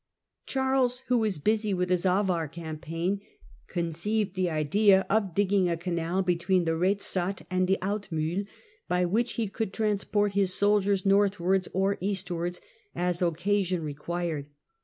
Charles, who was busy with his Avar campaign, conceived the idea of digging a canal between the Rezat and the Altmiihl, by which he could transport his soldiers northwards or eastwards, as occasion required.